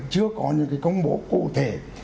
chưa có những cái công bố cụ thể